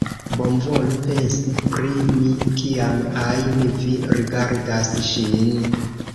Bonvolu pensi pri mi, kiam ajn vi rigardas ŝin.